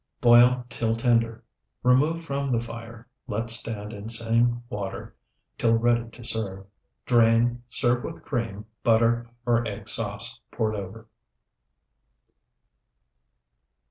Boil till tender; remove from the fire; let stand in same water till ready to serve. Drain, serve with cream, butter, or egg sauce poured over.